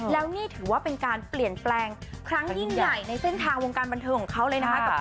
แล้วนี่ถือว่าเป็นการเปลี่ยนแปลงครั้งยิ่งใหญ่ในเส้นทางวงการบันเทิงของเขาเลยนะคะ